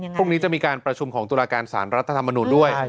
พรุ่งนี้จะมีการประชุมของตุลาการสารรัฐธรรมนุนด้วย